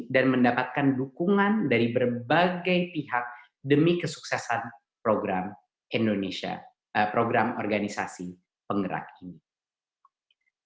dan mendapatkan dukungan dari berbagai pihak demi kesuksesan program organisasi penggerak indonesia